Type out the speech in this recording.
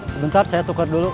sebentar saya tukar dulu